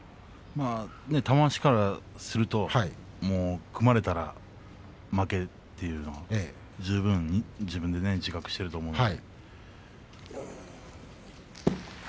玉鷲がからしますと組まれたら負けということは十分自覚していると思います。